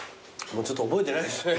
ちょっと覚えてないっす。